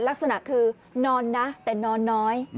ลักษณะคือนอนนะแต่นอนน้อย